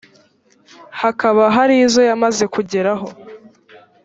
hakaba hari izo yamaze kugeraho